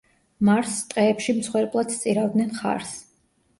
მარსს ტყეებში მსხვერპლად სწირავდნენ ხარს.